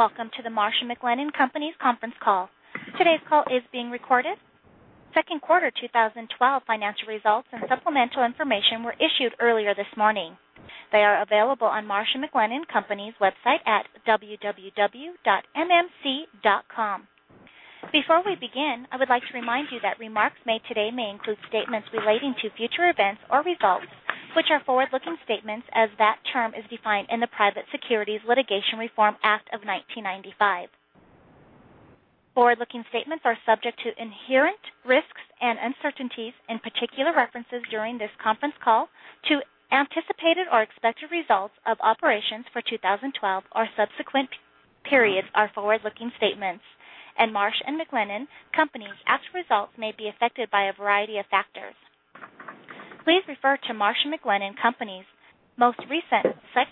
Welcome to the Marsh & McLennan Companies conference call. Today's call is being recorded. Second quarter 2012 financial results and supplemental information were issued earlier this morning. They are available on Marsh & McLennan Companies' website at www.mmc.com. Before we begin, I would like to remind you that remarks made today may include statements relating to future events or results, which are forward-looking statements, as that term is defined in the Private Securities Litigation Reform Act of 1995. Forward-looking statements are subject to inherent risks and uncertainties. In particular, references during this conference call to anticipated or expected results of operations for 2012 or subsequent periods are forward-looking statements, and Marsh & McLennan Companies' actual results may be affected by a variety of factors. Please refer to Marsh & McLennan Companies' most recent SEC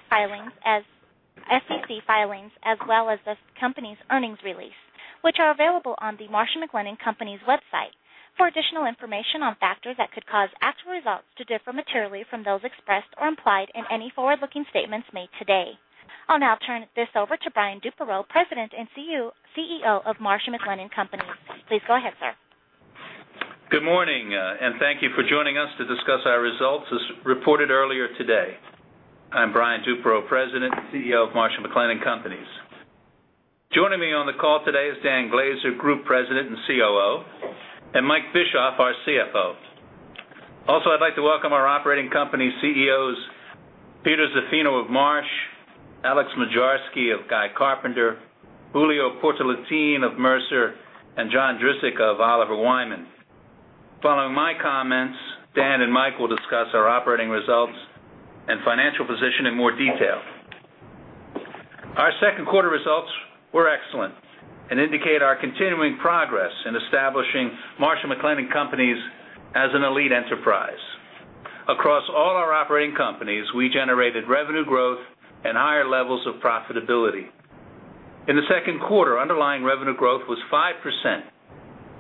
filings as well as the company's earnings release, which are available on the Marsh & McLennan Companies website, for additional information on factors that could cause actual results to differ materially from those expressed or implied in any forward-looking statements made today. I'll now turn this over to Brian Duperreault, President and CEO of Marsh & McLennan Companies. Please go ahead, sir. Good morning, thank you for joining us to discuss our results, as reported earlier today. I'm Brian Duperreault, President and CEO of Marsh & McLennan Companies. Joining me on the call today is Dan Glaser, Group President and COO, and Mike Bischoff, our CFO. Also, I'd like to welcome our operating company CEOs, Peter Zaffino of Marsh, Alex Moczarski of Guy Carpenter, Julio Portalatin of Mercer, and John Drzik of Oliver Wyman. Following my comments, Dan and Mike will discuss our operating results and financial position in more detail. Our second quarter results were excellent and indicate our continuing progress in establishing Marsh & McLennan Companies as an elite enterprise. Across all our operating companies, we generated revenue growth and higher levels of profitability. In the second quarter, underlying revenue growth was 5%.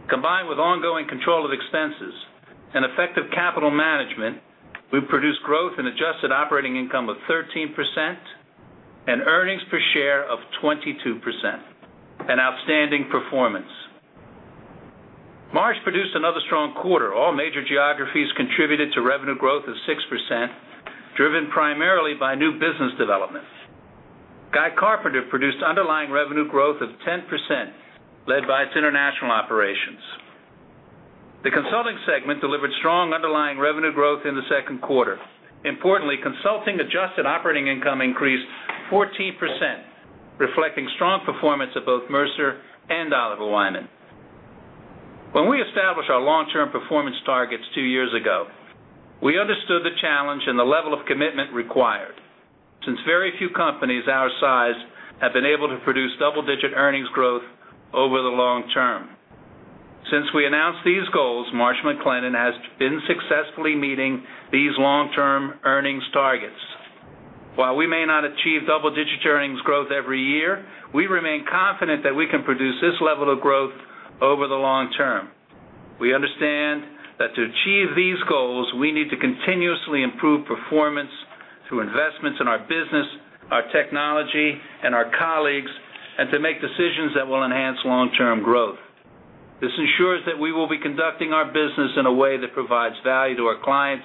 Combined with ongoing control of expenses and effective capital management, we produced growth in adjusted operating income of 13% and earnings per share of 22%, an outstanding performance. Marsh produced another strong quarter. All major geographies contributed to revenue growth of 6%, driven primarily by new business development. Guy Carpenter produced underlying revenue growth of 10%, led by its international operations. The consulting segment delivered strong underlying revenue growth in the second quarter. Importantly, consulting adjusted operating income increased 14%, reflecting strong performance of both Mercer and Oliver Wyman. When we established our long-term performance targets two years ago, we understood the challenge and the level of commitment required, since very few companies our size have been able to produce double-digit earnings growth over the long term. Since we announced these goals, Marsh & McLennan has been successfully meeting these long-term earnings targets. While we may not achieve double-digit earnings growth every year, we remain confident that we can produce this level of growth over the long term. We understand that to achieve these goals, we need to continuously improve performance through investments in our business, our technology, and our colleagues, and to make decisions that will enhance long-term growth. This ensures that we will be conducting our business in a way that provides value to our clients,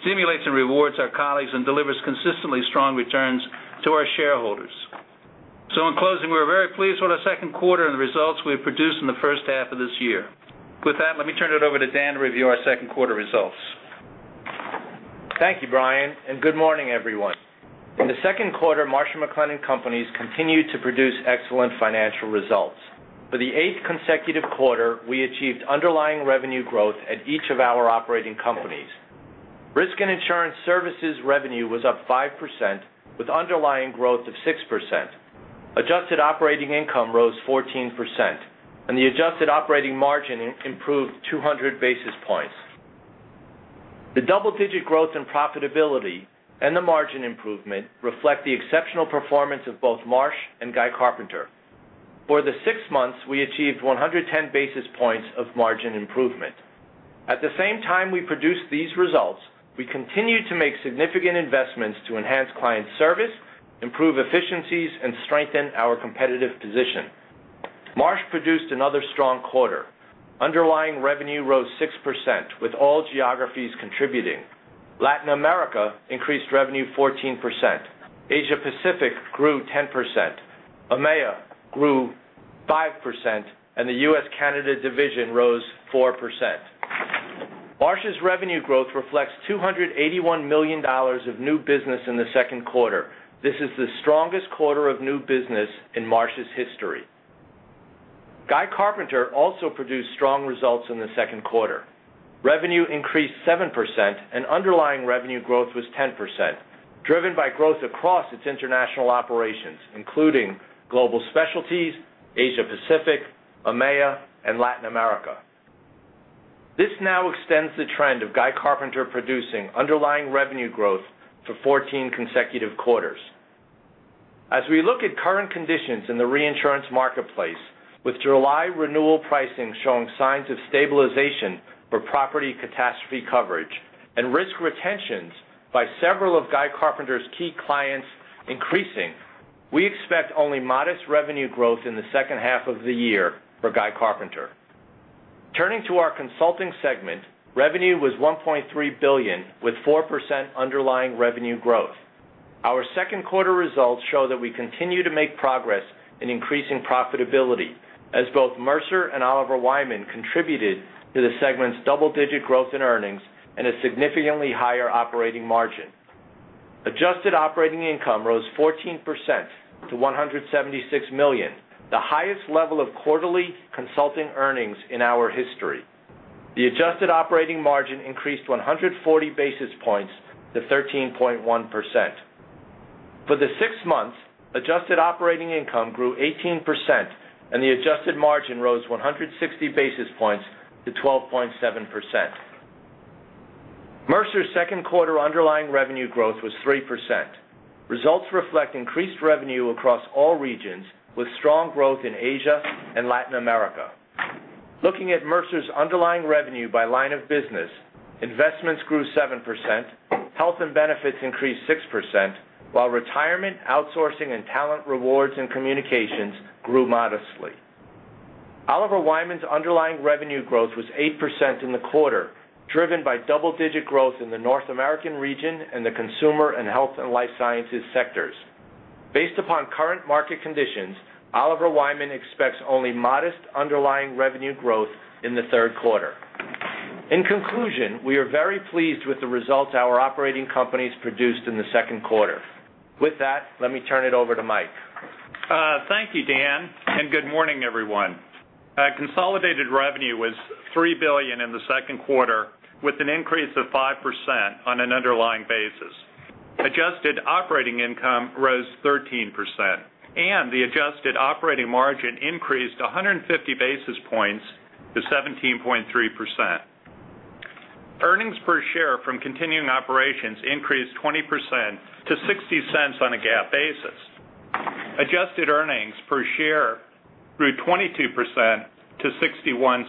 stimulates and rewards our colleagues, and delivers consistently strong returns to our shareholders. In closing, we're very pleased with our second quarter and the results we have produced in the first half of this year. With that, let me turn it over to Dan to review our second quarter results. Thank you, Brian, and good morning, everyone. In the second quarter, Marsh & McLennan Companies continued to produce excellent financial results. For the eighth consecutive quarter, we achieved underlying revenue growth at each of our operating companies. Risk and insurance services revenue was up 5%, with underlying growth of 6%. Adjusted operating income rose 14%, and the adjusted operating margin improved 200 basis points. The double-digit growth and profitability and the margin improvement reflect the exceptional performance of both Marsh and Guy Carpenter. For the six months, we achieved 110 basis points of margin improvement. At the same time we produced these results, we continued to make significant investments to enhance client service, improve efficiencies, and strengthen our competitive position. Marsh produced another strong quarter. Underlying revenue rose 6%, with all geographies contributing. Latin America increased revenue 14%. Asia Pacific grew 10%. EMEA grew 5%. The U.S./Canada division rose 4%. Marsh's revenue growth reflects $281 million of new business in the second quarter. This is the strongest quarter of new business in Marsh's history. Guy Carpenter also produced strong results in the second quarter. Revenue increased 7%, and underlying revenue growth was 10%, driven by growth across its international operations, including global specialties, Asia Pacific, EMEA, and Latin America. This now extends the trend of Guy Carpenter producing underlying revenue growth for 14 consecutive quarters. As we look at current conditions in the reinsurance marketplace with July renewal pricing showing signs of stabilization for property catastrophe coverage and risk retentions by several of Guy Carpenter's key clients increasing, we expect only modest revenue growth in the second half of the year for Guy Carpenter. Turning to our consulting segment, revenue was $1.3 billion, with 4% underlying revenue growth. Our second quarter results show that we continue to make progress in increasing profitability, as both Mercer and Oliver Wyman contributed to the segment's double-digit growth in earnings and a significantly higher operating margin. Adjusted operating income rose 14% to $176 million, the highest level of quarterly consulting earnings in our history. The adjusted operating margin increased 140 basis points to 13.1%. For the six months, adjusted operating income grew 18%, and the adjusted margin rose 160 basis points to 12.7%. Mercer's second quarter underlying revenue growth was 3%. Results reflect increased revenue across all regions, with strong growth in Asia and Latin America. Looking at Mercer's underlying revenue by line of business, investments grew 7%, health and benefits increased 6%, while retirement, outsourcing, and talent rewards and communications grew modestly. Oliver Wyman's underlying revenue growth was 8% in the quarter, driven by double-digit growth in the North American region and the consumer and health and life sciences sectors. Based upon current market conditions, Oliver Wyman expects only modest underlying revenue growth in the third quarter. In conclusion, we are very pleased with the results our operating companies produced in the second quarter. With that, let me turn it over to Mike. Thank you, Dan, and good morning, everyone. Consolidated revenue was $3 billion in the second quarter with an increase of 5% on an underlying basis. Adjusted operating income rose 13%, and the adjusted operating margin increased 150 basis points to 17.3%. Earnings per share from continuing operations increased 20% to $0.60 on a GAAP basis. Adjusted earnings per share grew 22% to $0.61.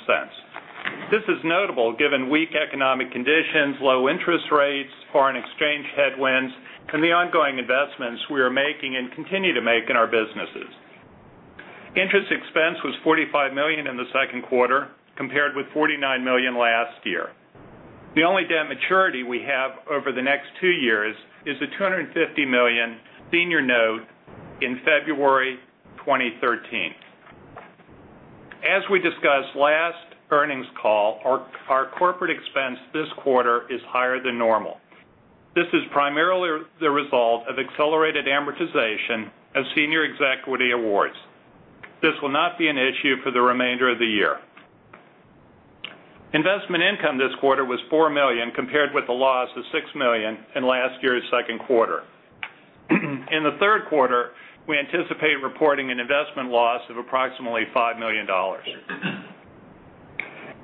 This is notable given weak economic conditions, low interest rates, foreign exchange headwinds, and the ongoing investments we are making and continue to make in our businesses. Interest expense was $45 million in the second quarter, compared with $49 million last year. The only debt maturity we have over the next two years is the $250 million senior note in February 2013. As we discussed last earnings call, our corporate expense this quarter is higher than normal. This is primarily the result of accelerated amortization of senior equity awards. This will not be an issue for the remainder of the year. Investment income this quarter was $4 million, compared with a loss of $6 million in last year's second quarter. In the third quarter, we anticipate reporting an investment loss of approximately $5 million.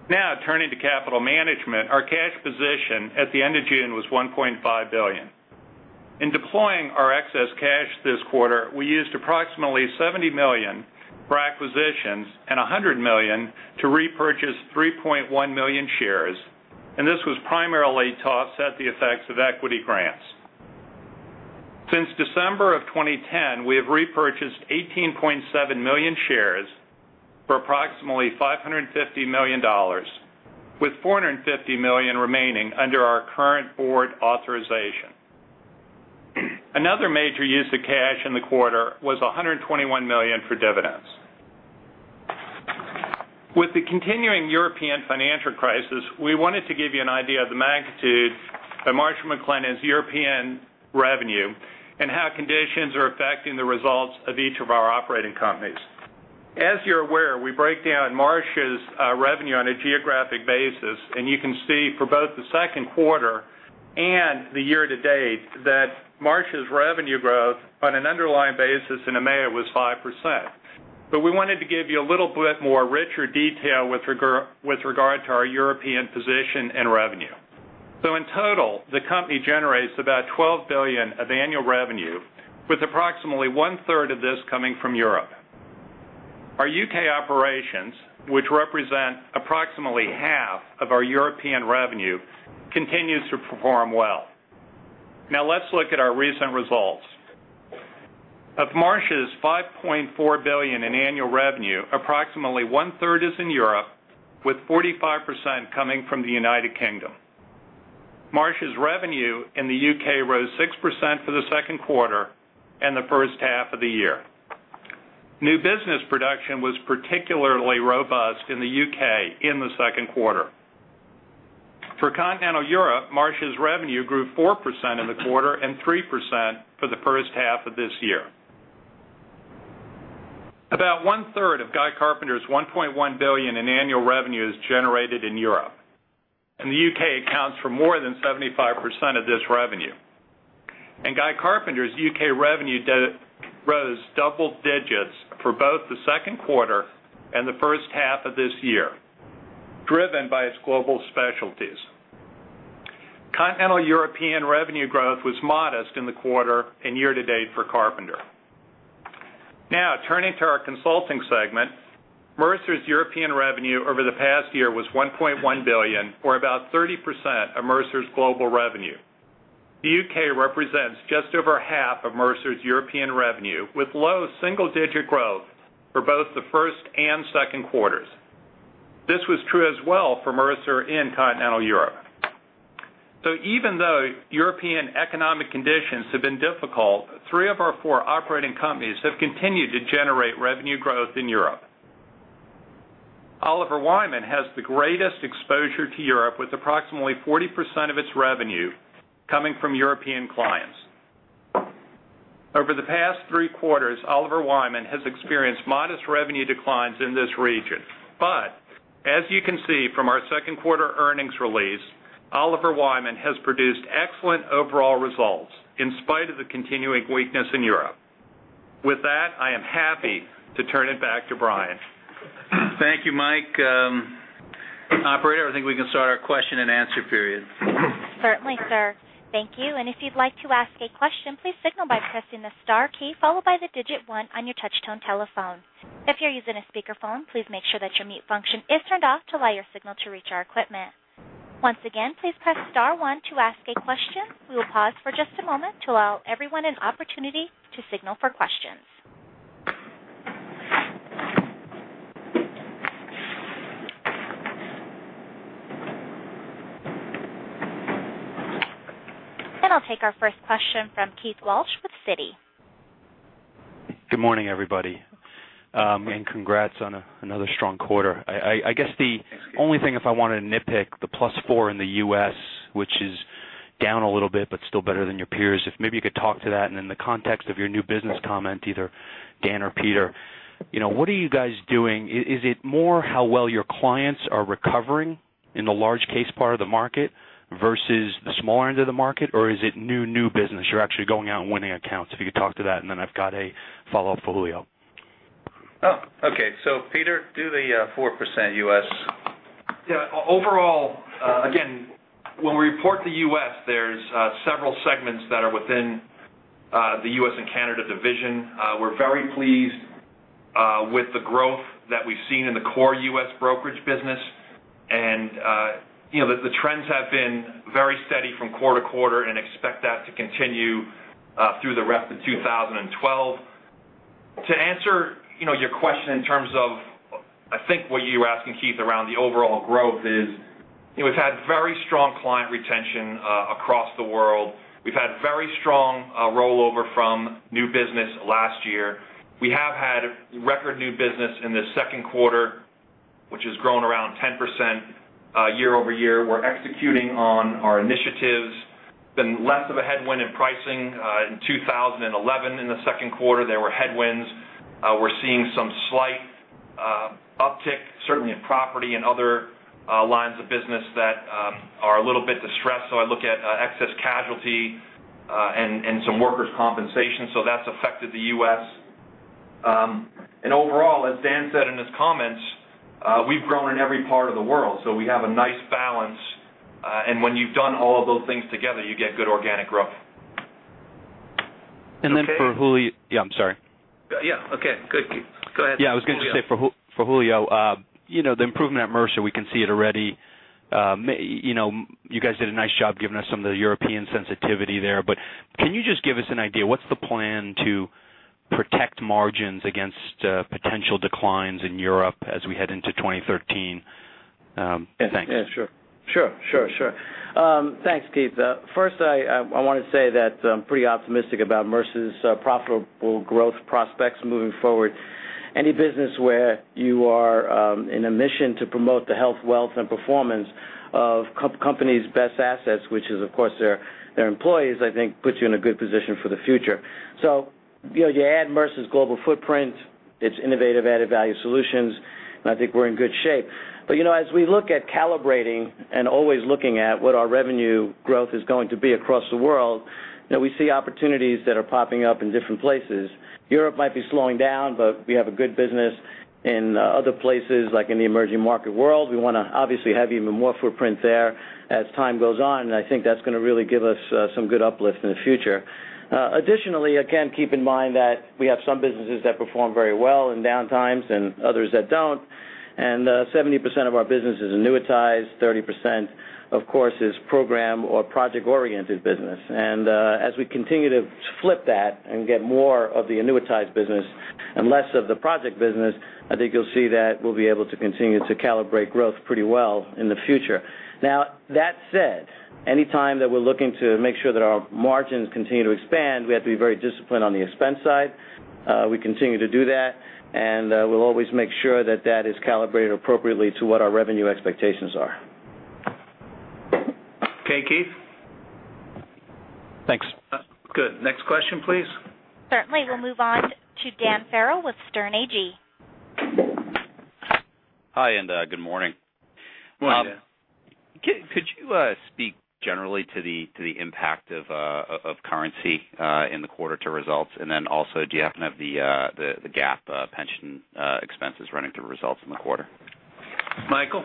Now, turning to capital management. Our cash position at the end of June was $1.5 billion. In deploying our excess cash this quarter, we used approximately $70 million for acquisitions and $100 million to repurchase 3.1 million shares, and this was primarily to offset the effects of equity grants. Since December of 2010, we have repurchased 18.7 million shares for approximately $550 million, with $450 million remaining under our current board authorization. Another major use of cash in the quarter was $121 million for dividends. With the continuing European financial crisis, we wanted to give you an idea of the magnitude of Marsh & McLennan's European revenue and how conditions are affecting the results of each of our operating companies. As you're aware, we break down Marsh's revenue on a geographic basis, and you can see for both the second quarter and the year-to-date that Marsh's revenue growth on an underlying basis in EMEA was 5%. We wanted to give you a little bit more richer detail with regard to our European position and revenue. In total, the company generates about $12 billion of annual revenue, with approximately one-third of this coming from Europe. Our U.K. operations, which represent approximately half of our European revenue, continues to perform well. Now let's look at our recent results. Of Marsh's $5.4 billion in annual revenue, approximately one-third is in Europe, with 45% coming from the United Kingdom. Marsh's revenue in the U.K. rose 6% for the second quarter and the first half of the year. New business production was particularly robust in the U.K. in the second quarter. For continental Europe, Marsh's revenue grew 4% in the quarter and 3% for the first half of this year. About one-third of Guy Carpenter's $1.1 billion in annual revenue is generated in Europe, and the U.K. accounts for more than 75% of this revenue. Guy Carpenter's U.K. revenue rose double digits for both the second quarter and the first half of this year, driven by its global specialties. Continental European revenue growth was modest in the quarter and year-to-date for Carpenter. Turning to our consulting segment, Mercer's European revenue over the past year was $1.1 billion, or about 30% of Mercer's global revenue. The U.K. represents just over half of Mercer's European revenue, with low single-digit growth for both the first and second quarters. This was true as well for Mercer in Continental Europe. Even though European economic conditions have been difficult, three of our four operating companies have continued to generate revenue growth in Europe. Oliver Wyman has the greatest exposure to Europe, with approximately 40% of its revenue coming from European clients. Over the past three quarters, Oliver Wyman has experienced modest revenue declines in this region. As you can see from our second quarter earnings release, Oliver Wyman has produced excellent overall results in spite of the continuing weakness in Europe. With that, I am happy to turn it back to Brian. Thank you, Mike. Operator, I think we can start our question and answer period. Certainly, sir. Thank you. If you'd like to ask a question, please signal by pressing the star key, followed by the digit one on your touch-tone telephone. If you're using a speakerphone, please make sure that your mute function is turned off to allow your signal to reach our equipment. Once again, please press star one to ask a question. We will pause for just a moment to allow everyone an opportunity to signal for questions. I'll take our first question from Keith Walsh with Citi. Good morning, everybody. Congrats on another strong quarter. I guess the only thing, if I want to nitpick the +4 in the U.S., which is down a little bit, but still better than your peers, maybe you could talk to that. In the context of your new business comment, either Dan or Peter, what are you guys doing? Is it more how well your clients are recovering in the large case part of the market versus the smaller end of the market? Or is it new business? You're actually going out and winning accounts. If you could talk to that, then I've got a follow-up for Julio. Oh, okay. Peter, do the 4% U.S. Yeah. Overall, again, when we report the U.S., there's several segments that are within the U.S. and Canada division. We're very pleased with the growth that we've seen in the core U.S. brokerage business. The trends have been very steady from quarter-over-quarter and expect that to continue through the rest of 2012. To answer your question in terms of, I think what you were asking, Keith, around the overall growth is, we've had very strong client retention across the world. We've had very strong rollover from new business last year. We have had record new business in the second quarter, which has grown around 10% year-over-year. We're executing on our initiatives. Been less of a headwind in pricing. In 2011, in the second quarter, there were headwinds. We're seeing some slight uptick, certainly in property and other lines of business that are a little bit distressed, so I look at excess casualty and some workers' compensation. That's affected the U.S. Overall, as Dan said in his comments, we've grown in every part of the world, so we have a nice balance. When you've done all of those things together, you get good organic growth. Then for Julio. Yeah, I'm sorry. Yeah. Okay, good. Go ahead. I was going to say for Julio, the improvement at Mercer, we can see it already. You guys did a nice job giving us some of the European sensitivity there. Can you just give us an idea, what's the plan to protect margins against potential declines in Europe as we head into 2013? Thanks. Sure. Thanks, Keith. First, I want to say that I'm pretty optimistic about Mercer's profitable growth prospects moving forward. Any business where you are in a mission to promote the health, wealth, and performance of companies' best assets, which is, of course, their employees, I think puts you in a good position for the future. You add Mercer's global footprint, its innovative added-value solutions, and I think we're in good shape. As we look at calibrating and always looking at what our revenue growth is going to be across the world, we see opportunities that are popping up in different places. Europe might be slowing down, but we have a good business in other places, like in the emerging market world. We want to obviously have even more footprint there as time goes on, I think that's going to really give us some good uplift in the future. Additionally, again, keep in mind that we have some businesses that perform very well in downtimes and others that don't. 70% of our business is annuitized, 30%, of course, is program or project-oriented business. As we continue to flip that and get more of the annuitized business and less of the project business, I think you'll see that we'll be able to continue to calibrate growth pretty well in the future. That said, anytime that we're looking to make sure that our margins continue to expand, we have to be very disciplined on the expense side. We continue to do that, and we'll always make sure that that is calibrated appropriately to what our revenue expectations are. Okay, Keith? Thanks. Good. Next question, please. Certainly. We'll move on to Dan Farrell with Sterne Agee. Hi, good morning. Good morning, Dan. Could you speak generally to the impact of currency in the quarter to results? Then also, do you happen to have the GAAP pension expenses running through results in the quarter? Michael?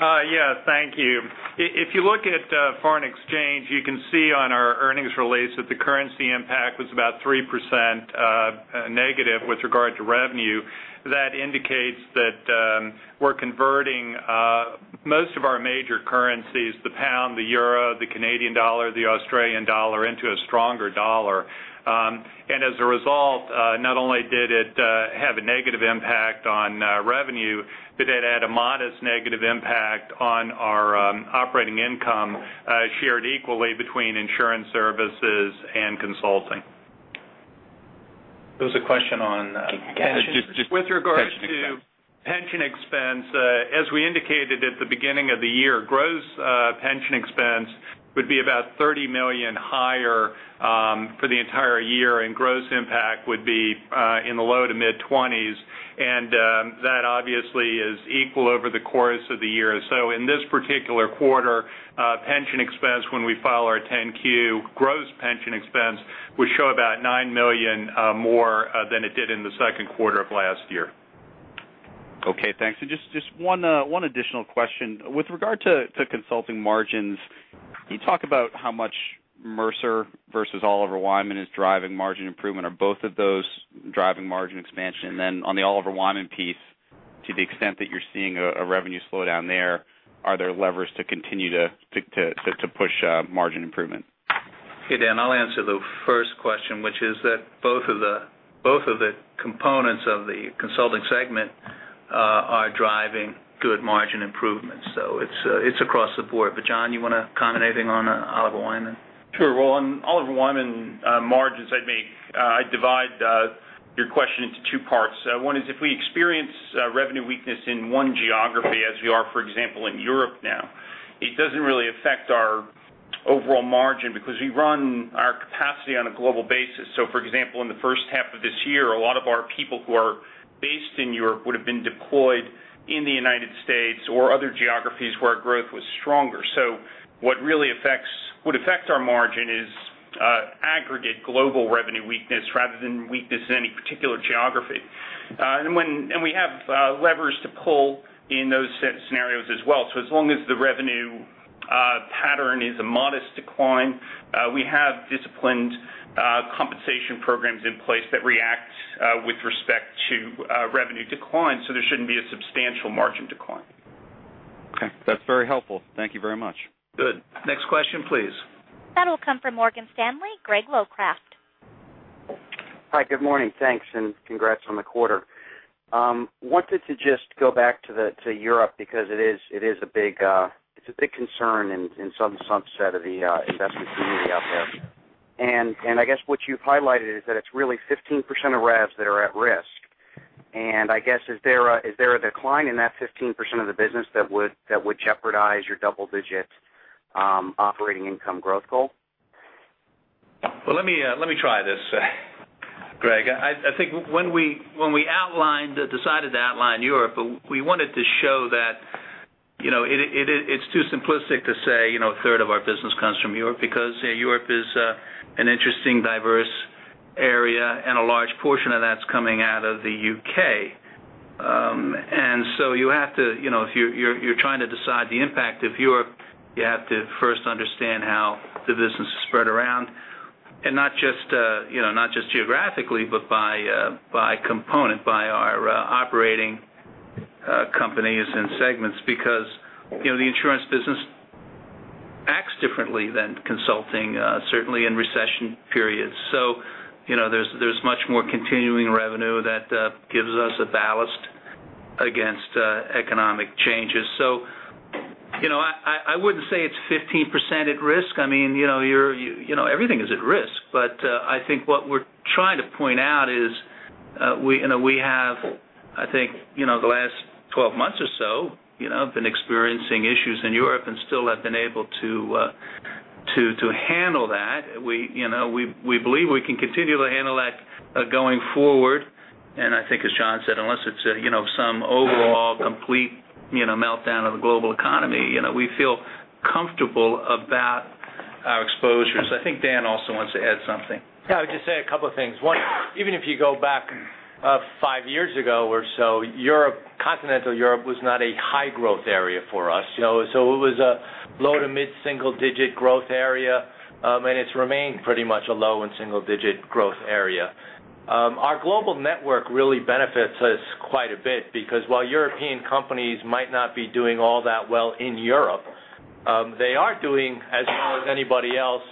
Yeah. Thank you. If you look at foreign exchange, you can see on our earnings release that the currency impact was about 3% negative with regard to revenue. That indicates that we're converting most of our major currencies, the pound, the euro, the Canadian dollar, the Australian dollar, into a stronger dollar. As a result, not only did it have a negative impact on revenue, but it had a modest negative impact on our operating income, shared equally between insurance services and consulting. There was a question on- With regards to pension expense, as we indicated at the beginning of the year, gross pension expense would be about $30 million higher for the entire year, gross impact would be in the low to mid-20s. That obviously is equal over the course of the year. In this particular quarter, pension expense, when we file our 10-Q, gross pension expense will show about $9 million more than it did in the second quarter of last year. Thanks. Just one additional question. With regard to consulting margins, can you talk about how much Mercer versus Oliver Wyman is driving margin improvement? Are both of those driving margin expansion? On the Oliver Wyman piece, to the extent that you're seeing a revenue slowdown there, are there levers to continue to push margin improvement? Dan, I'll answer the first question, which is that both of the components of the consulting segment are driving good margin improvements. It's across the board. John, you want to comment anything on Oliver Wyman? Sure. On Oliver Wyman margins, I'd divide your question into two parts. One is if we experience revenue weakness in one geography as we are, for example, in Europe now, it doesn't really affect our overall margin because we run our capacity on a global basis. For example, in the first half of this year, a lot of our people who are based in Europe would've been deployed in the U.S. or other geographies where our growth was stronger. What would affect our margin is aggregate global revenue weakness rather than weakness in any particular geography. We have levers to pull in those set scenarios as well. As long as the revenue pattern is a modest decline, we have disciplined compensation programs in place that react with respect to revenue decline. There shouldn't be a substantial margin decline. Okay. That's very helpful. Thank you very much. Good. Next question, please. That'll come from Morgan Stanley, Greg Locraft. Hi, good morning. Thanks, congrats on the quarter. Wanted to just go back to Europe because it's a big concern in some subset of the investment community out there. I guess what you've highlighted is that it's really 15% of revs that are at risk. I guess, is there a decline in that 15% of the business that would jeopardize your double-digit operating income growth goal? Well, let me try this, Greg. I think when we decided to outline Europe, we wanted to show that it's too simplistic to say a third of our business comes from Europe because Europe is an interesting, diverse area and a large portion of that's coming out of the U.K. If you're trying to decide the impact of Europe, you have to first understand how the business is spread around and not just geographically, but by component, by our operating companies and segments because the insurance business acts differently than consulting, certainly in recession periods. There's much more continuing revenue that gives us a ballast against economic changes. I wouldn't say it's 15% at risk. Everything is at risk. I think what we're trying to point out is we have, I think, the last 12 months or so been experiencing issues in Europe and still have been able to handle that. We believe we can continue to handle that going forward. I think as John said, unless it's some overall complete meltdown of the global economy, we feel comfortable about our exposures. I think Dan also wants to add something. Yeah, I would just say a couple of things. One, even if you go back five years ago or so, continental Europe was not a high-growth area for us. It was a low to mid-single digit growth area, and it's remained pretty much a low and single-digit growth area. Our global network really benefits us quite a bit because while European companies might not be doing all that well in Europe, they are doing as well as anybody else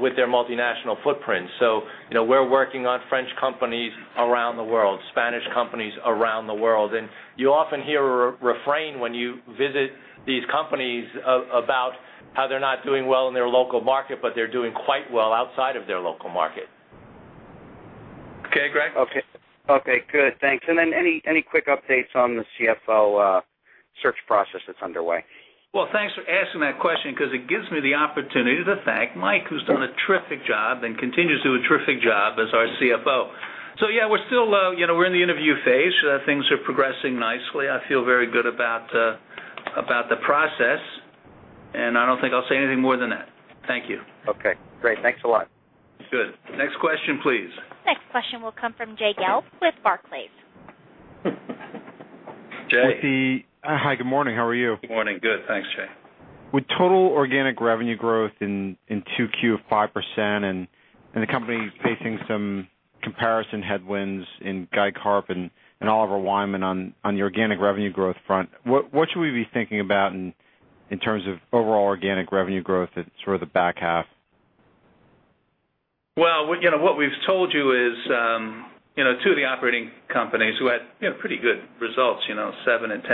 with their multinational footprint. We're working on French companies around the world, Spanish companies around the world, and you often hear a refrain when you visit these companies about how they're not doing well in their local market, but they're doing quite well outside of their local market. Okay, Greg? Okay. Good. Thanks. Then any quick updates on the CFO search process that's underway? Well, thanks for asking that question because it gives me the opportunity to thank Mike, who's done a terrific job and continues to do a terrific job as our CFO. Yeah, we're in the interview phase. Things are progressing nicely. I feel very good about the process. I don't think I'll say anything more than that. Thank you. Okay, great. Thanks a lot. Good. Next question, please. Next question will come from Jay Gelb with Barclays. Jay. Hi, good morning. How are you? Good morning. Good. Thanks, Jay. With total organic revenue growth in 2Q of 5% and the company facing some comparison headwinds in Guy Carp and Oliver Wyman on the organic revenue growth front, what should we be thinking about in terms of overall organic revenue growth through the back half? What we've told you is two of the operating companies who had pretty good results, 7% and 10%,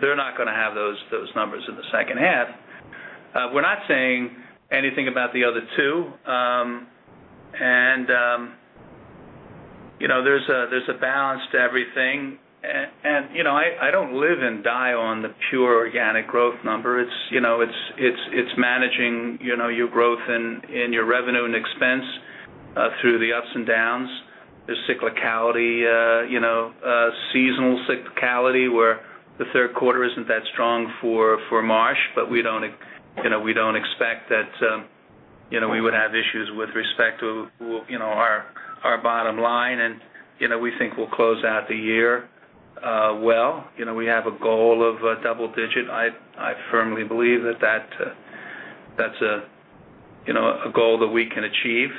they're not going to have those numbers in the second half. We're not saying anything about the other two. There's a balance to everything and I don't live and die on the pure organic growth number. It's managing your growth and your revenue and expense through the ups and downs, the cyclicality, seasonal cyclicality, where the third quarter isn't that strong for Marsh. We don't expect that we would have issues with respect to our bottom line, and we think we'll close out the year well. We have a goal of double-digit. I firmly believe that that's a goal that we can achieve.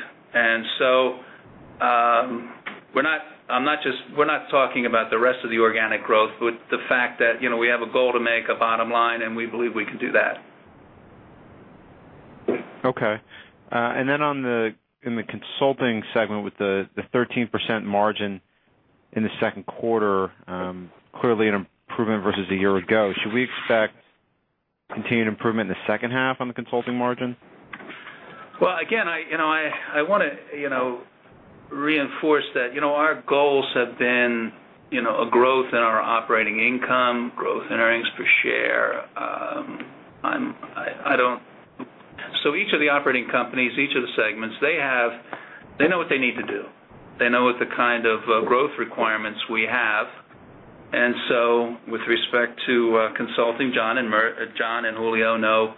We're not talking about the rest of the organic growth, but the fact that we have a goal to make a bottom line, and we believe we can do that. Okay. In the consulting segment with the 13% margin in the second quarter, clearly an improvement versus a year ago. Should we expect continued improvement in the second half on the consulting margin? Again, I want to reinforce that our goals have been a growth in our operating income, growth in earnings per share. Each of the operating companies, each of the segments, they know what they need to do. They know what the kind of growth requirements we have. With respect to consulting, John and Julio know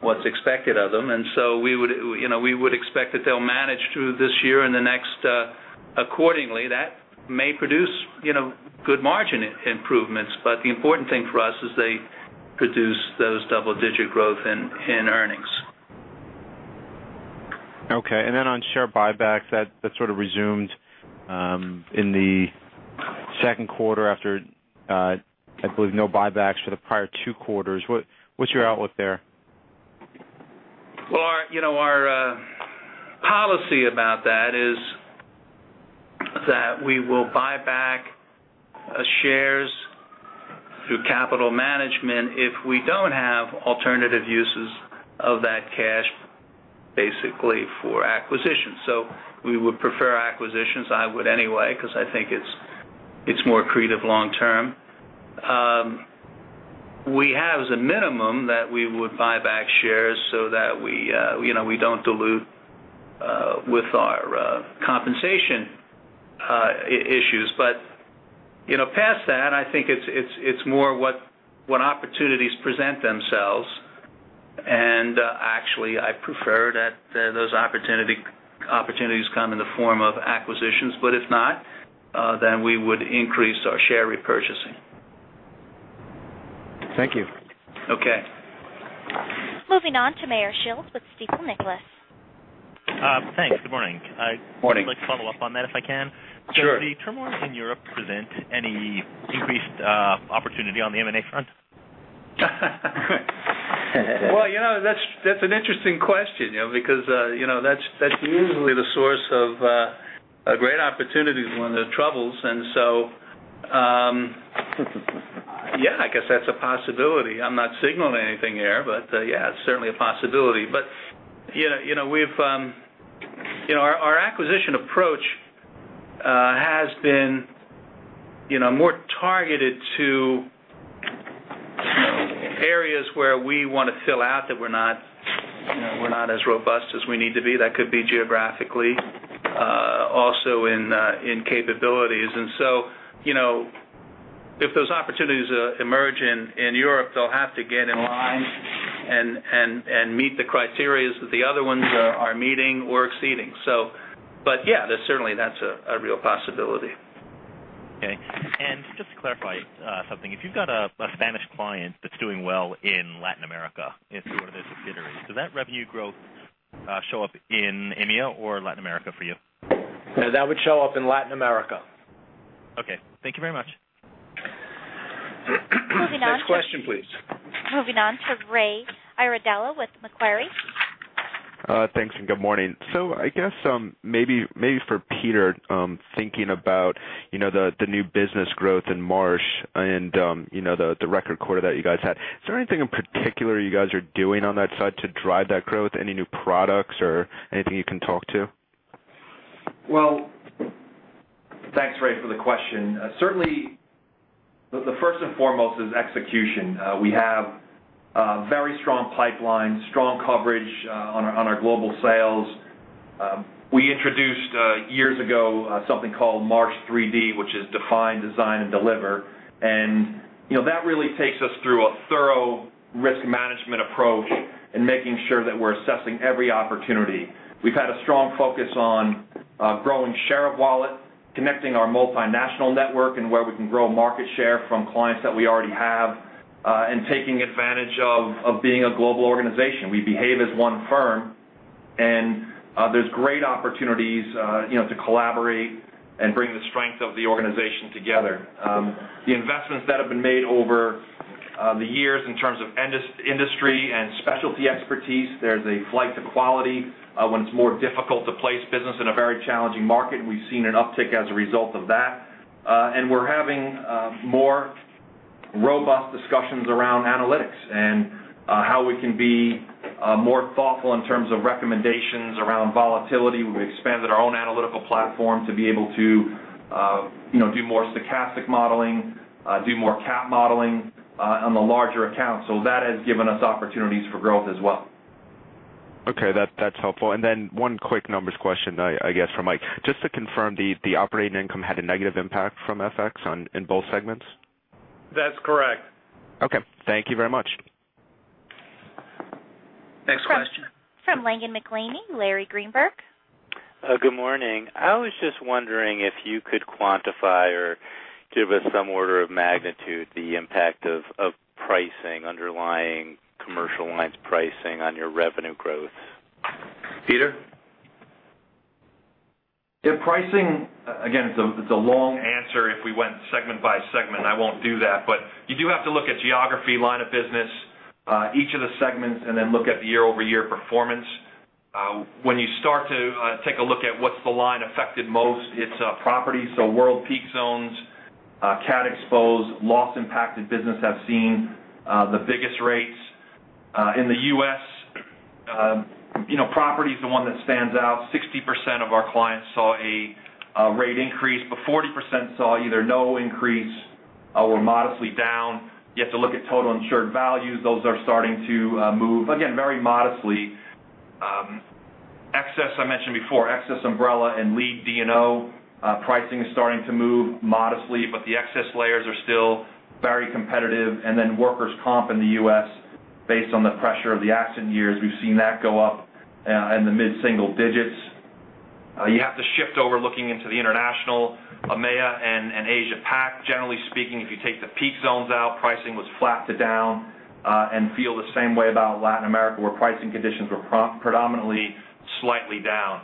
what's expected of them, and so we would expect that they'll manage through this year and the next accordingly. That may produce good margin improvements, but the important thing for us is they produce those double-digit growth in earnings. Okay. Then on share buybacks, that sort of resumed in the second quarter after, I believe no buybacks for the prior two quarters. What's your outlook there? Well, our policy about that is that we will buy back shares through capital management if we don't have alternative uses of that cash, basically for acquisition. We would prefer acquisitions. I would anyway, because I think it's more accretive long term. We have as a minimum that we would buy back shares so that we don't dilute with our compensation issues. Past that, I think it's more when opportunities present themselves, and actually, I prefer that those opportunities come in the form of acquisitions. If not, we would increase our share repurchasing. Thank you. Okay. Moving on to Meyer Shields with Stifel Nicolaus. Thanks. Good morning. Morning. I would like to follow up on that if I can. Sure. Does the turmoil in Europe present any increased opportunity on the M&A front? That's an interesting question, because that's usually the source of great opportunities when there are troubles. Yeah, I guess that's a possibility. I'm not signaling anything here, but yeah, it's certainly a possibility. Our acquisition approach has been more targeted to areas where we want to fill out that we're not as robust as we need to be. That could be geographically, also in capabilities. If those opportunities emerge in Europe, they'll have to get in line and meet the criterias that the other ones are meeting or exceeding. Yeah, certainly that's a real possibility. Just to clarify something, if you've got a Spanish client that's doing well in Latin America, if you want to visit, does that revenue growth show up in EMEA or Latin America for you? No, that would show up in Latin America. Okay. Thank you very much. Moving on to. Next question, please. Moving on to Ray Iardella with Macquarie. Thanks, good morning. I guess maybe for Peter, thinking about the new business growth in Marsh and the record quarter that you guys had. Is there anything in particular you guys are doing on that side to drive that growth? Any new products or anything you can talk to? Well, thanks Ray, for the question. Certainly, the first and foremost is execution. We have a very strong pipeline, strong coverage on our global sales We introduced, years ago, something called Marsh 3D, which is define, design, and deliver. That really takes us through a thorough risk management approach in making sure that we're assessing every opportunity. We've had a strong focus on growing share of wallet, connecting our multinational network and where we can grow market share from clients that we already have, and taking advantage of being a global organization. We behave as one firm, and there's great opportunities to collaborate and bring the strength of the organization together. The investments that have been made over the years in terms of industry and specialty expertise, there's a flight to quality when it's more difficult to place business in a very challenging market, and we've seen an uptick as a result of that. We're having more robust discussions around analytics and how we can be more thoughtful in terms of recommendations around volatility. We've expanded our own analytical platform to be able to do more stochastic modeling, do more cap modeling on the larger accounts. That has given us opportunities for growth as well. Okay. That's helpful. Then one quick numbers question, I guess, for Mike. Just to confirm, the operating income had a negative impact from FX in both segments? That's correct. Okay. Thank you very much. Next question. From Langen McAlenney, Larry Greenberg. Good morning. I was just wondering if you could quantify or give us some order of magnitude, the impact of pricing, underlying commercial lines pricing on your revenue growth. Peter? Yeah, pricing, again, it's a long answer if we went segment by segment. I won't do that. You do have to look at geography, line of business, each of the segments, and then look at the year-over-year performance. When you start to take a look at what's the line affected most, it's properties, so world peak zones, cat exposed, loss impacted business have seen the biggest rates. In the U.S., property's the one that stands out. 60% of our clients saw a rate increase, but 40% saw either no increase or were modestly down. You have to look at total insured values. Those are starting to move, again, very modestly. Excess, I mentioned before, excess umbrella and lead D&O pricing is starting to move modestly, but the excess layers are still very competitive. Workers' comp in the U.S., based on the pressure of the accident years, we've seen that go up in the mid-single digits. You have to shift over looking into the international, EMEA and Asia Pac. Generally speaking, if you take the peak zones out, pricing was flat to down, and feel the same way about Latin America, where pricing conditions were predominantly slightly down.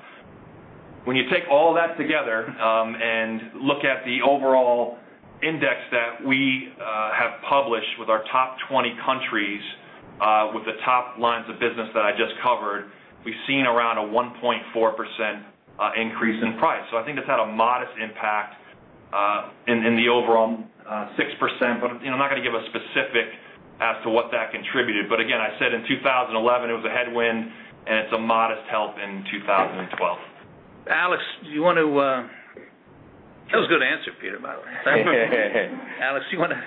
When you take all that together and look at the overall index that we have published with our top 20 countries with the top lines of business that I just covered, we've seen around a 1.4% increase in price. I think it's had a modest impact in the overall 6%, but I'm not going to give a specific as to what that contributed. Again, I said in 2011 it was a headwind, and it's a modest help in 2012. Alex, That was a good answer, Peter, by the way. Alex, do you want to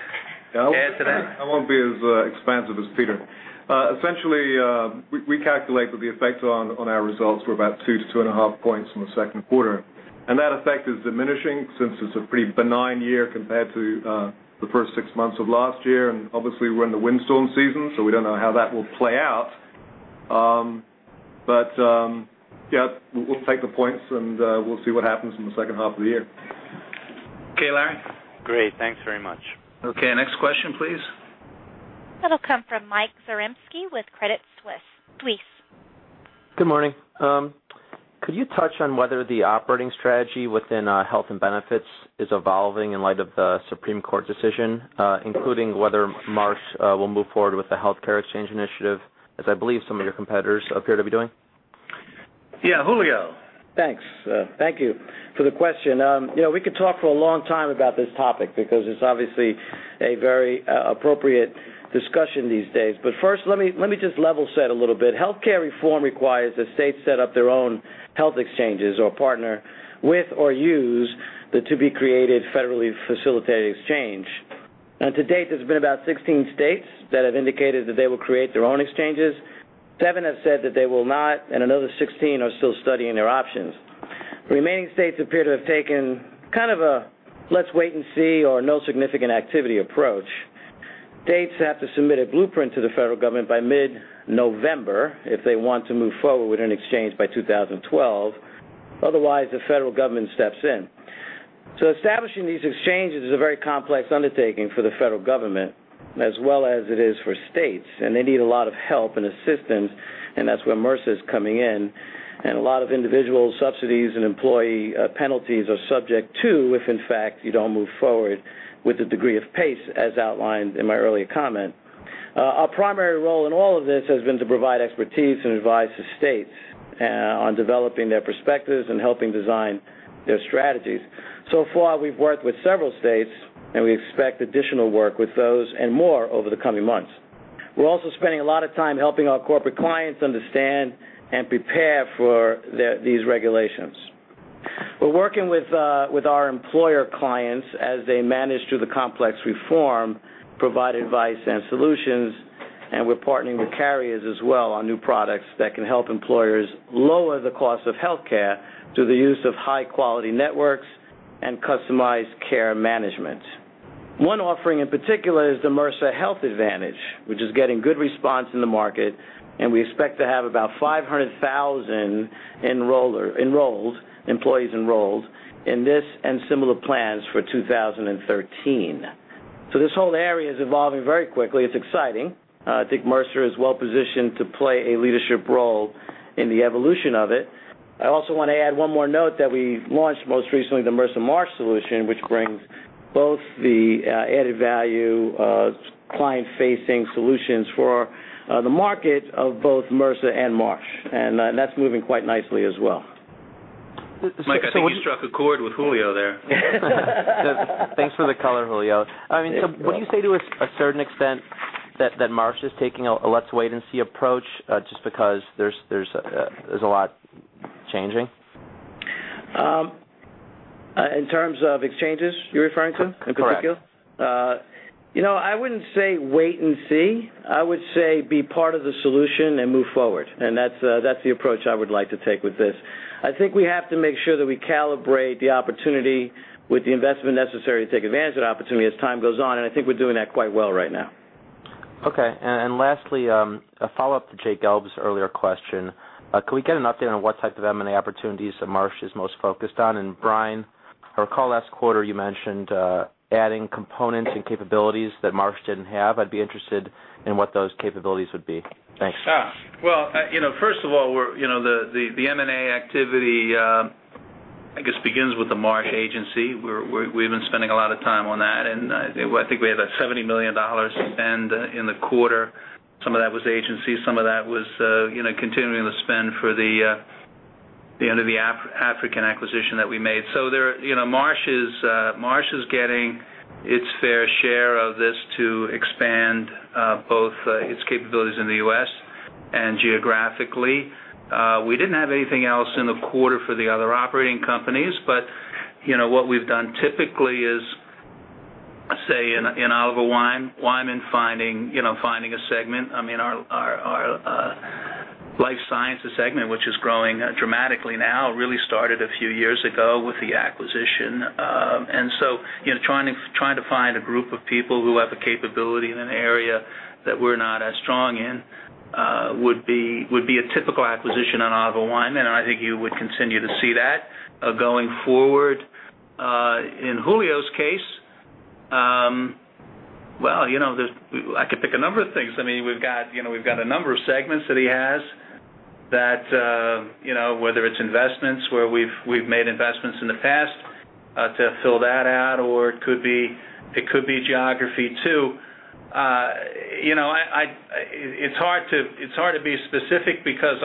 add to that? I won't be as expansive as Peter. Essentially, we calculate that the effects on our results were about two to two and a half points from the second quarter. That effect is diminishing since it's a pretty benign year compared to the first six months of last year. Obviously, we're in the windstorm season, so we don't know how that will play out. Yeah, we'll take the points, and we'll see what happens in the second half of the year. Okay, Larry. Great. Thanks very much. Okay, next question, please. That'll come from Michael Zaremski with Credit Suisse. Please. Good morning. Could you touch on whether the operating strategy within health and benefits is evolving in light of the Supreme Court decision, including whether Marsh will move forward with the healthcare exchange initiative, as I believe some of your competitors appear to be doing? Yeah. Julio. Thanks. Thank you for the question. We could talk for a long time about this topic because it's obviously a very appropriate discussion these days. First, let me just level set a little bit. Healthcare reform requires the states set up their own health exchanges or partner with or use the to-be-created federally facilitated exchange. To date, there's been about 16 states that have indicated that they will create their own exchanges. Seven have said that they will not, and another 16 are still studying their options. The remaining states appear to have taken kind of a let's wait and see or no significant activity approach. States have to submit a blueprint to the federal government by mid-November if they want to move forward with an exchange by 2012. Otherwise, the federal government steps in. Establishing these exchanges is a very complex undertaking for the federal government, as well as it is for states, and they need a lot of help and assistance, and that's where Marsh is coming in, and a lot of individual subsidies and employee penalties are subject to if in fact you don't move forward with the degree of pace as outlined in my earlier comment. Our primary role in all of this has been to provide expertise and advise the states on developing their perspectives and helping design their strategies. Far, we've worked with several states, and we expect additional work with those and more over the coming months. We're also spending a lot of time helping our corporate clients understand and prepare for these regulations. We're working with our employer clients as they manage through the complex reform, provide advice and solutions, and we're partnering with carriers as well on new products that can help employers lower the cost of healthcare through the use of high-quality networks and customized care management. One offering in particular is the Mercer Health Advantage, which is getting good response in the market, and we expect to have about 500,000 employees enrolled in this and similar plans for 2013. This whole area is evolving very quickly. It's exciting. I think Mercer is well-positioned to play a leadership role in the evolution of it. I also want to add one more note that we've launched most recently, the Mercer Marsh solution, which brings both the added value of client-facing solutions for the market of both Mercer and Marsh, and that's moving quite nicely as well. Mike, I think you struck a chord with Julio there. Thanks for the color, Julio. Would you say to a certain extent that Marsh is taking a let's-wait-and-see approach, just because there's a lot changing? In terms of exchanges, you're referring to? [inaudible] Correct. I wouldn't say wait and see. I would say be part of the solution and move forward. That's the approach I would like to take with this. I think we have to make sure that we calibrate the opportunity with the investment necessary to take advantage of that opportunity as time goes on. I think we're doing that quite well right now. Okay. Lastly, a follow-up to Jay Gelb's earlier question. Could we get an update on what type of M&A opportunities that Marsh is most focused on? Brian, I recall last quarter you mentioned adding components and capabilities that Marsh didn't have. I'd be interested in what those capabilities would be. Thanks. Well, first of all, the M&A activity, I guess, begins with the Marsh agency. We've been spending a lot of time on that. I think we had a $70 million spend in the quarter. Some of that was agency, some of that was continuing the spend for the end of the African acquisition that we made. Marsh is getting its fair share of this to expand both its capabilities in the U.S. and geographically. We didn't have anything else in the quarter for the other operating companies. What we've done typically is, say, in Oliver Wyman, finding a segment. Our life sciences segment, which is growing dramatically now, really started a few years ago with the acquisition. Trying to find a group of people who have a capability in an area that we're not as strong in would be a typical acquisition on Oliver Wyman. I think you would continue to see that going forward. In Julio's case, well, I could pick a number of things. We've got a number of segments that he has that, whether it's investments where we've made investments in the past to fill that out, or it could be geography, too. It's hard to be specific because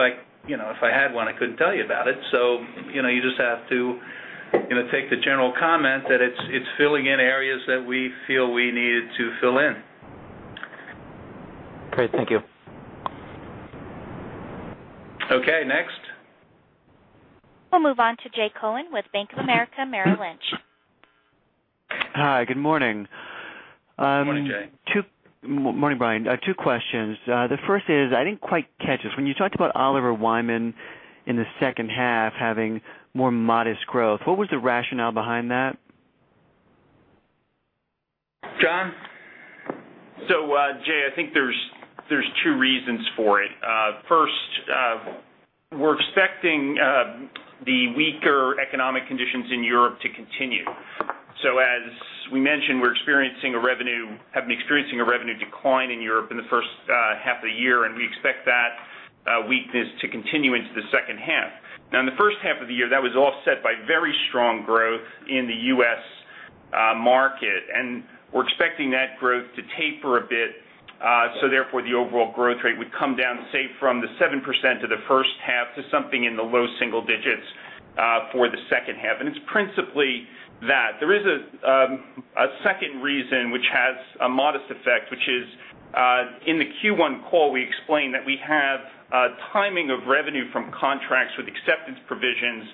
if I had one, I couldn't tell you about it. You just have to take the general comment that it's filling in areas that we feel we needed to fill in. Great. Thank you. Okay. Next? We'll move on to Jay Cohen with Bank of America Merrill Lynch. Hi, good morning. Morning, Jay. Morning, Brian. Two questions. The first is, I didn't quite catch this. When you talked about Oliver Wyman in the second half having more modest growth, what was the rationale behind that? John? Jay, I think there's two reasons for it. First, we're expecting the weaker economic conditions in Europe to continue. As we mentioned, we're experiencing a revenue decline in Europe in the first half of the year, and we expect that weakness to continue into the second half. Now, in the first half of the year, that was all set by very strong growth in the U.S. market, and we're expecting that growth to taper a bit. Therefore, the overall growth rate would come down, say, from the 7% to the first half to something in the low single digits for the second half. It's principally that. There is a second reason which has a modest effect, which is in the Q1 call, we explained that we have a timing of revenue from contracts with acceptance provisions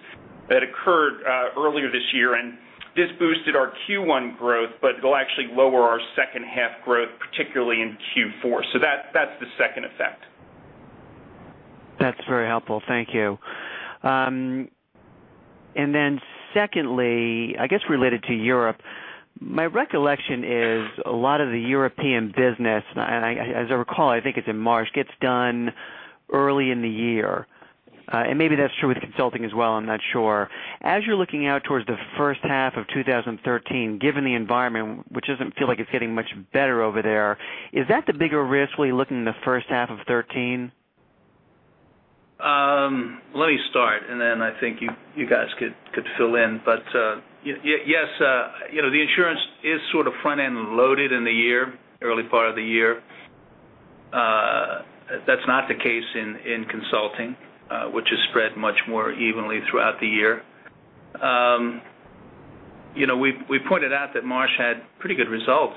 that occurred earlier this year, and this boosted our Q1 growth, but it'll actually lower our second half growth, particularly in Q4. That's the second effect. That's very helpful. Thank you. Secondly, I guess related to Europe, my recollection is a lot of the European business, as I recall, I think it's in Marsh, gets done early in the year. Maybe that's true with consulting as well, I'm not sure. As you're looking out towards the first half of 2013, given the environment, which doesn't feel like it's getting much better over there, is that the bigger risk when you're looking in the first half of 2013? Let me start, I think you guys could fill in. Yes, the insurance is sort of front-end loaded in the year, early part of the year. That's not the case in consulting, which is spread much more evenly throughout the year. We pointed out that Marsh had pretty good results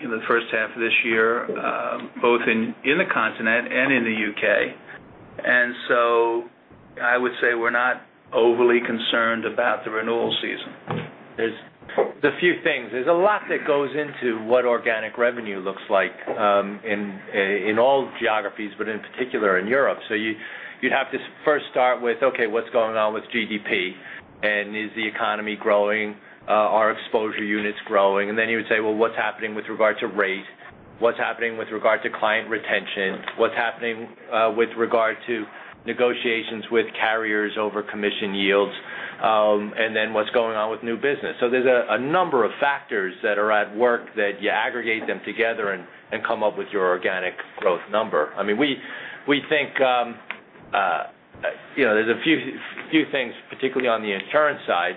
In the first half of this year, both in the Continent and in the U.K. I would say we're not overly concerned about the renewal season. There's a few things. There's a lot that goes into what organic revenue looks like in all geographies, but in particular in Europe. You'd have to first start with, okay, what's going on with GDP? Is the economy growing? Are exposure units growing? You would say, well, what's happening with regard to rate? What's happening with regard to client retention? What's happening with regard to negotiations with carriers over commission yields? What's going on with new business? There's a number of factors that are at work that you aggregate them together and come up with your organic growth number. There's a few things, particularly on the insurance side.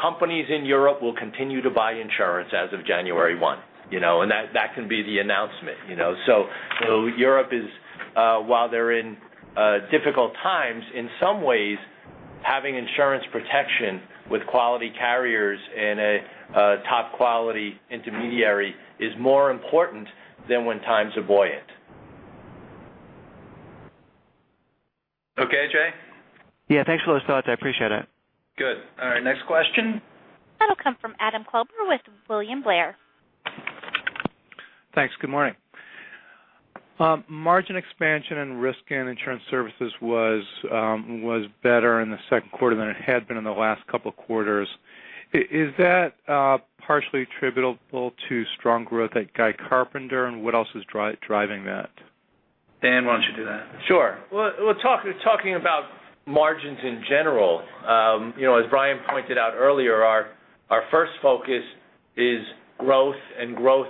Companies in Europe will continue to buy insurance as of January 1. That can be the announcement. Europe is, while they're in difficult times, in some ways, having insurance protection with quality carriers and a top-quality intermediary is more important than when times are buoyant. Okay, Jay? Yeah. Thanks for those thoughts. I appreciate it. Good. All right, next question. That'll come from Adam Klauber with William Blair. Thanks. Good morning. Margin expansion and risk and insurance services was better in the second quarter than it had been in the last couple of quarters. Is that partially attributable to strong growth at Guy Carpenter, and what else is driving that? Dan, why don't you do that? Sure. Well, talking about margins in general, as Brian Duperreault pointed out earlier, our first focus is growth and growth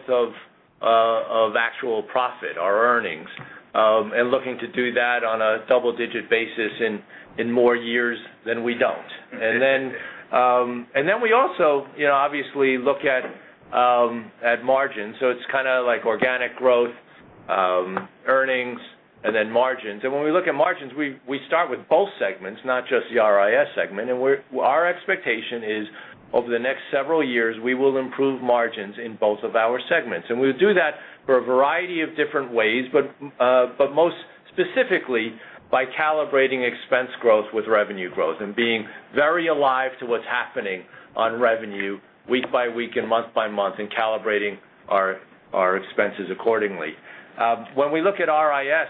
of actual profit, our earnings, and looking to do that on a double-digit basis in more years than we don't. Then we also obviously look at margins, so it's kind of like organic growth, earnings, and then margins. When we look at margins, we start with both segments, not just the RIS segment. Our expectation is over the next several years, we will improve margins in both of our segments. We'll do that through a variety of different ways, but most specifically by calibrating expense growth with revenue growth and being very alive to what's happening on revenue week by week and month by month and calibrating our expenses accordingly. When we look at RIS,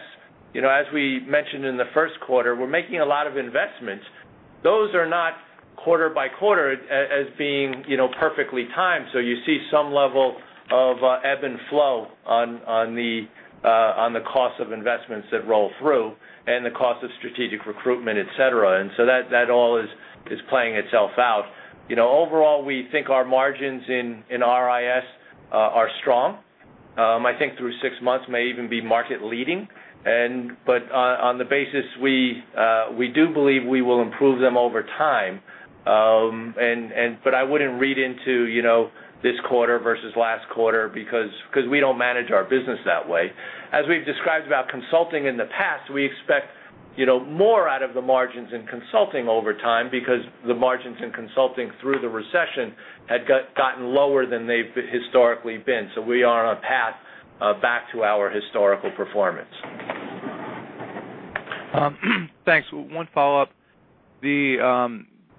as we mentioned in the first quarter, we're making a lot of investments. Those are not quarter by quarter as being perfectly timed. You see some level of ebb and flow on the cost of investments that roll through and the cost of strategic recruitment, et cetera. That all is playing itself out. Overall, we think our margins in RIS are strong. I think through six months may even be market leading. On the basis we do believe we will improve them over time, but I wouldn't read into this quarter versus last quarter because we don't manage our business that way. As we've described about consulting in the past, we expect more out of the margins in consulting over time because the margins in consulting through the recession had gotten lower than they've historically been. We are on a path back to our historical performance. Thanks. One follow-up.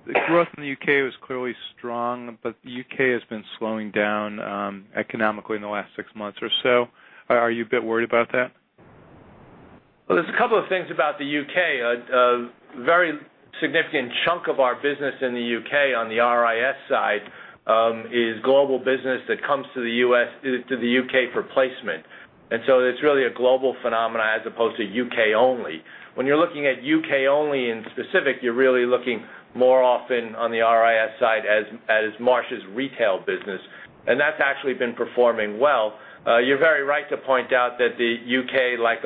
The growth in the U.K. was clearly strong, the U.K. has been slowing down economically in the last six months or so. Are you a bit worried about that? There's a couple of things about the U.K. A very significant chunk of our business in the U.K. on the RIS side is global business that comes to the U.K. for placement. It's really a global phenomenon as opposed to U.K. only. When you're looking at U.K. only in specific, you're really looking more often on the RIS side as Marsh's retail business, and that's actually been performing well. You're very right to point out that the U.K., like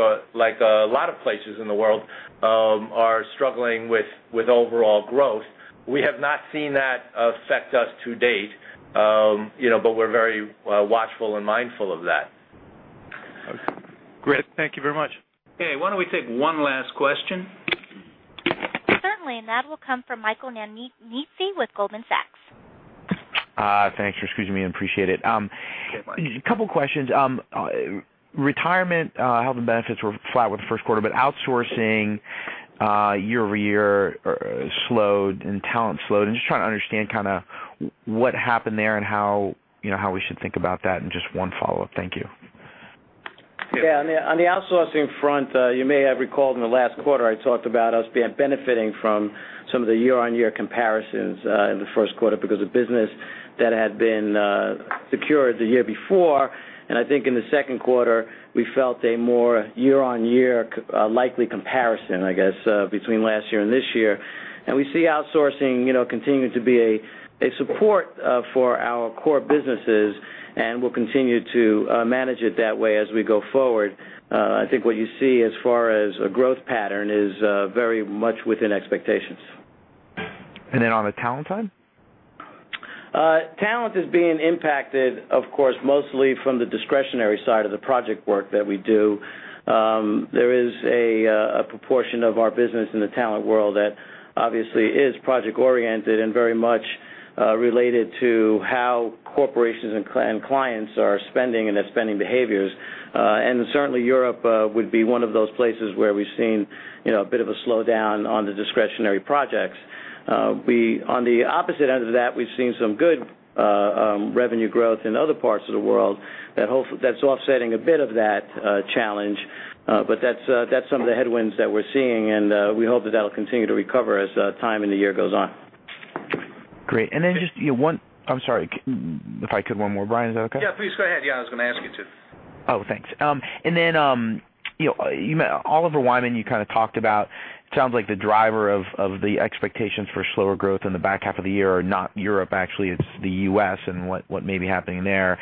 a lot of places in the world, are struggling with overall growth. We have not seen that affect us to date, but we're very watchful and mindful of that. Great. Thank you very much. Why don't we take one last question? Certainly. That will come from Michael Nannizzi with Goldman Sachs. Thanks for squeezing me in, appreciate it. Yeah, Mike. A couple questions. Retirement health and benefits were flat with the first quarter, outsourcing year-over-year slowed and talent slowed. I'm just trying to understand what happened there and how we should think about that, just one follow-up. Thank you. Yeah. On the outsourcing front, you may have recalled in the last quarter I talked about us benefiting from some of the year-on-year comparisons in the first quarter because of business that had been secured the year before. I think in the second quarter, we felt a more year-on-year likely comparison, I guess, between last year and this year. We see outsourcing continuing to be a support for our core businesses, and we'll continue to manage it that way as we go forward. I think what you see as far as a growth pattern is very much within expectations. On the talent side? Talent is being impacted, of course, mostly from the discretionary side of the project work that we do. There is a proportion of our business in the talent world that obviously is project-oriented and very much Related to how corporations and clients are spending and their spending behaviors. Certainly Europe would be one of those places where we've seen a bit of a slowdown on the discretionary projects. On the opposite end of that, we've seen some good revenue growth in other parts of the world that's offsetting a bit of that challenge. That's some of the headwinds that we're seeing, and we hope that'll continue to recover as time and the year goes on. Great. Just one. I'm sorry, if I could, one more, Brian. Is that okay? Yeah, please go ahead. Yeah, I was going to ask you to. Oh, thanks. Oliver Wyman, you kind of talked about, sounds like the driver of the expectations for slower growth in the back half of the year are not Europe, actually, it's the U.S. and what may be happening there.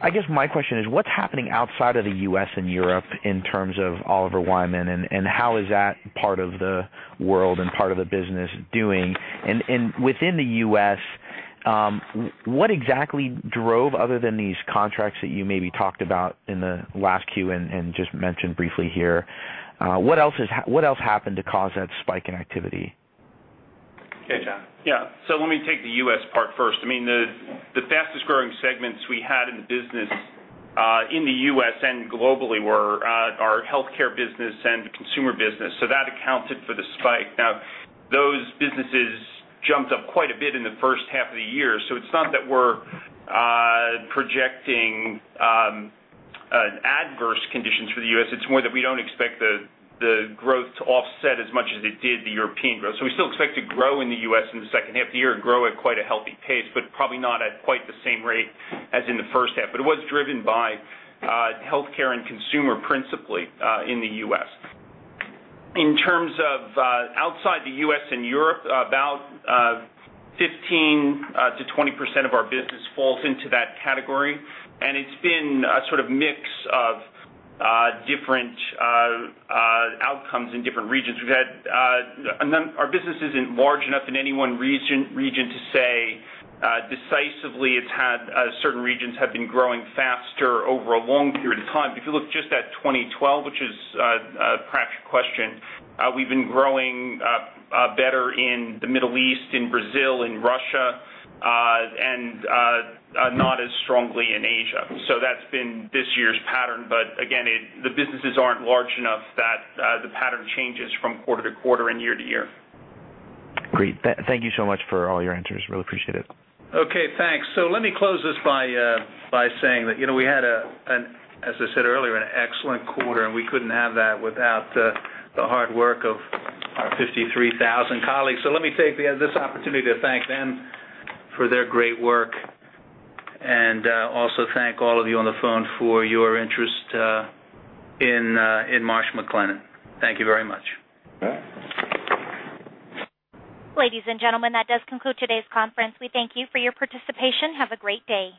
I guess my question is, what's happening outside of the U.S. and Europe in terms of Oliver Wyman, and how is that part of the world and part of the business doing? Within the U.S., what exactly drove, other than these contracts that you maybe talked about in the last Q and just mentioned briefly here, what else happened to cause that spike in activity? Okay, John. Yeah. Let me take the U.S. part first. The fastest-growing segments we had in the business, in the U.S. and globally, were our healthcare business and consumer business. That accounted for the spike. Now, those businesses jumped up quite a bit in the first half of the year. It's not that we're projecting adverse conditions for the U.S. It's more that we don't expect the growth to offset as much as it did the European growth. We still expect to grow in the U.S. in the second half of the year and grow at quite a healthy pace, but probably not at quite the same rate as in the first half. It was driven by healthcare and consumer, principally, in the U.S. In terms of outside the U.S. and Europe, about 15%-20% of our business falls into that category, it's been a sort of mix of different outcomes in different regions. Our business isn't large enough in any one region to say decisively certain regions have been growing faster over a long period of time. If you look just at 2012, which is perhaps your question, we've been growing better in the Middle East, in Brazil, in Russia, and not as strongly in Asia. That's been this year's pattern, again, the businesses aren't large enough that the pattern changes from quarter-to-quarter and year-to-year. Great. Thank you so much for all your answers. Really appreciate it. Okay, thanks. Let me close this by saying that we had, as I said earlier, an excellent quarter, and we couldn't have that without the hard work of our 53,000 colleagues. Let me take this opportunity to thank them for their great work, and also thank all of you on the phone for your interest in Marsh & McLennan. Thank you very much. Okay. Ladies and gentlemen, that does conclude today's conference. We thank you for your participation. Have a great day.